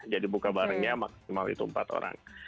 jadi buka barengnya maksimal itu empat orang